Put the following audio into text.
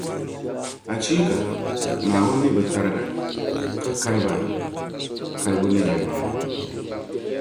Achiika! Naawuni mi bɛ tariga, ka kali ba kalibu ni yɛlimaŋli.